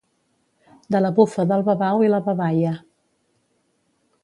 De la bufa del babau i la babaia.